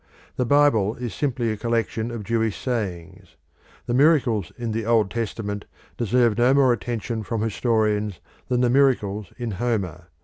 The Bible is simply a collection of Jewish writings. The miracles in the Old Testament deserve no more attention from historians than the miracles in Homer.